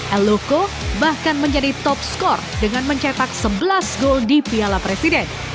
el loco bahkan menjadi top skor dengan mencetak sebelas gol di piala presiden